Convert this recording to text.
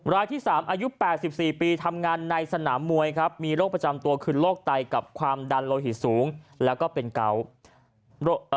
รายที่๓อายุ๘๔ปีทำงานในสนามมวยครับมีโรคประจำตัวคือโรคไตกับความดันโลหิตสูงแล้วก็เป็นเกาเอ่อ